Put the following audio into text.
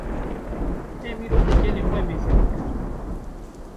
Em îro li gelê xwe mêze bikin